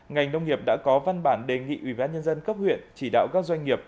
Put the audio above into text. ngành nông nghiệp đã có văn bản đề nghị ubnd cấp huyện chỉ đạo các doanh nghiệp